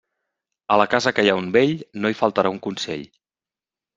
A la casa que hi ha un vell, no hi faltarà un consell.